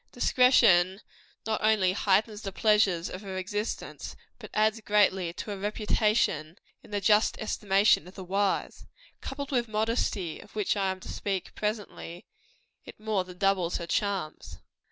Discretion not only heightens the pleasures of her existence, but adds greatly to her reputation in the just estimation of the wise. Coupled with modesty, of which I am to speak presently, it more than doubles her charms.